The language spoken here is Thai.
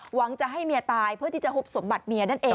หวังจะให้เมียตายเพื่อที่จะหุบสมบัติเมียนั่นเอง